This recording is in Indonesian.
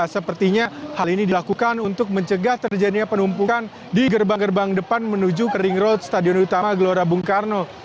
sepertinya hal ini dilakukan untuk mencegah terjadinya penumpukan di gerbang gerbang depan menuju ke ring road stadion utama gelora bung karno